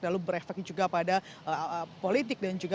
lalu berefek juga pada politik dan juga